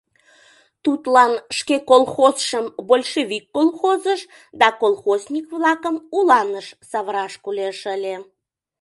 Тудлан шке колхозшым большевик колхозыш да колхозник-влакым уланыш савыраш кӱлеш ыле.